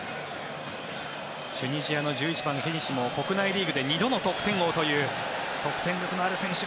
チュニジアの１１番、ヘニシも国内リーグで２度の得点王という得点力のある選手。